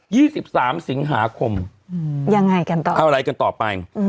สิบสามสิงหาคมอืมยังไงกันต่อเอาอะไรกันต่อไปอืม